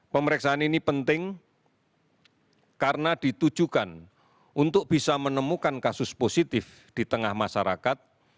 pemeriksaan ini penting karena ditujukan untuk bisa menemukan kasus positif di tengah masyarakat